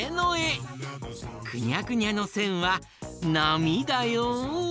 くにゃくにゃのせんはなみだよ！